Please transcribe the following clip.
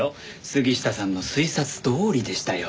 杉下さんの推察どおりでしたよ。